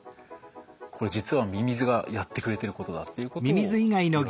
これ実はミミズがやってくれてることだっていうことをいわれているんです。